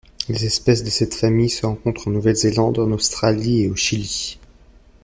Les espèces de cette famille se rencontrent en Nouvelle-Zélande, en Australie et au Chili.